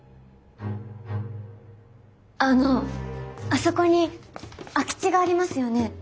あのあそこに空き地がありますよね？